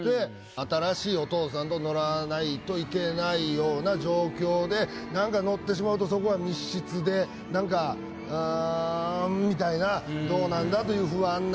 新しいお父さんと乗らないといけないような状況でなんか乗ってしまうとそこは密室でなんかうんみたいなどうなんだという不安な感じ。